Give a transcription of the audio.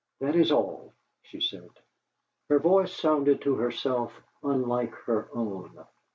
"That is all," she said. Her voice sounded to herself unlike her own.